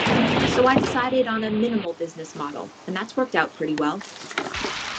So I decided on a minimal business model, and that's worked out pretty well.